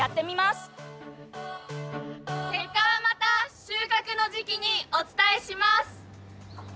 結果はまた収穫の時期にお伝えします。